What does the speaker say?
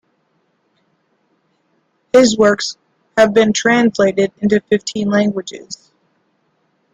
His works have been translated into fifteen languages.